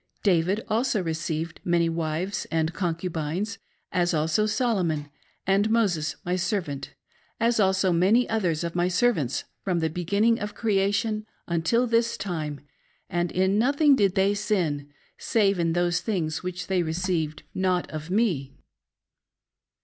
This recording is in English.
David also received many wives and concubines, as also Solomon, and Moses my servant ; as also many others of my servants, from the beginning of creation until this time ; and in nothing did they sin, save in those things which they received not of me.